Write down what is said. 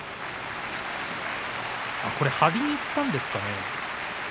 張りにいったんですかね。